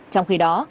trong khi đó